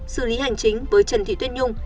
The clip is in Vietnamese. xử lý hành chính với trần thị tuyết nhung